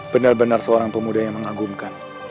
benar benar seorang pemuda yang mengagumkan